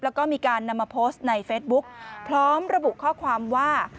แล้วก็มีการนำมาโพสต์ในเฟซบุ๊กพร้อมระบุข้อความว่า